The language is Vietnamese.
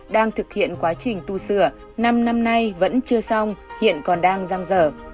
đang thực hiện quá trình tu sửa năm năm nay vẫn chưa xong hiện còn đang răng rở